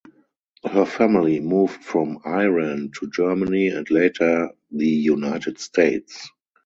Her family moved from Iran to Germany and later the United States.